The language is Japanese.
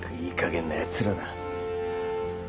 いいかげんなやつらだ。